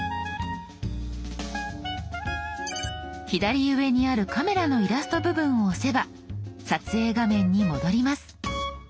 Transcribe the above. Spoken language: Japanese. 左上にあるカメラのイラスト部分を押せば撮影画面に戻ります。